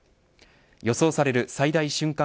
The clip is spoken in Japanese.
予想される最大瞬間